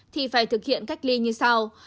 thì phải thực hiện cách ly như sau